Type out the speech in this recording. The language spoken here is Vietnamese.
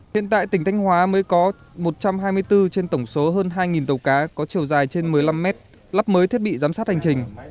hiện tại tỉnh thanh hóa mới có một trăm hai mươi bốn trên tổng số hơn hai tàu cá có chiều dài trên một mươi năm mét lắp mới thiết bị giám sát hành trình